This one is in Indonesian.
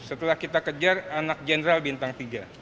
setelah kita kejar anak jenderal bintang tiga